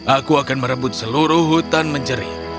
aku akan merebut seluruh hutan menjerit